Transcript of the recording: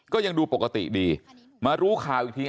ยังดูปกติดีมารู้ข่าวอีกที